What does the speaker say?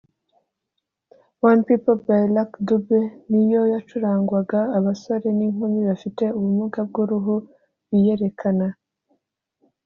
one people” ya Lucky Dube ni yo yacurangwaga abasore n’inkumi bafite ubumuga bw’uruhu biyerekana